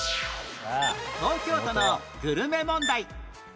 東京都のグルメ問題